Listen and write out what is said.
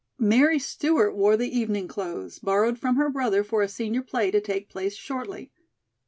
Mary Stewart wore the evening clothes, borrowed from her brother for a senior play to take place shortly.